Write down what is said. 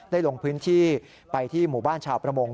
ลงพื้นที่ไปที่หมู่บ้านชาวประมง